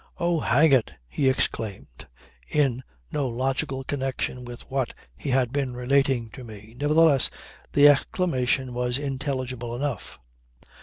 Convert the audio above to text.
"Oh hang it," he exclaimed in no logical connection with what he had been relating to me. Nevertheless the exclamation was intelligible enough.